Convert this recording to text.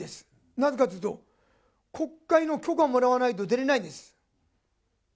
なぜかというと、国会の許可をもらわないと出れないです。